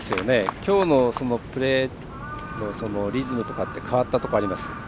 きょうのプレーのリズムとかって変わったところはあります？